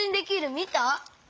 みた！